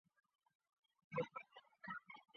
因此城市的捷克人减少并很大程度德国化。